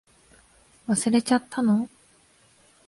忘れちゃったの？